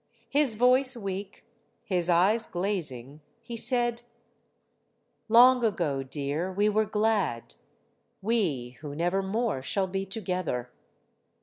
His voice weak, his eyes glazing, he said : "Long ago, dear, we were glad we who never more shall be together.